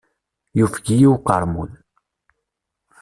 Yufeg-iyi uqermud.